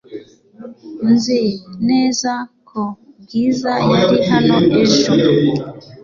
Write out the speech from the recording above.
Nzi neza ko Bwiza yari hano ejo .